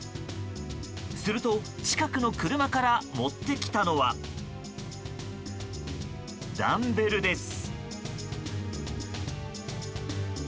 すると近くの車から持ってきたのはダンベルです。